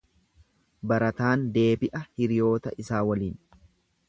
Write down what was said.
Barataan deebi'a hiriyoota isaa waliin.